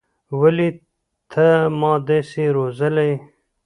ولې ته ما داسې روزلى يې.